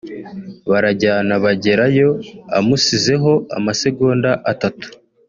barajyana bagerayo amusizeho amasegonda atatu